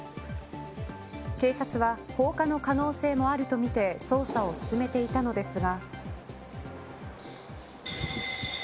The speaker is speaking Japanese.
警察は放火の可能性もあるとみて捜査を進めていたのですが。